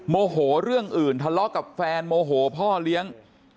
โมโหเรื่องอื่นทะเลาะกับแฟนโมโหพ่อเลี้ยง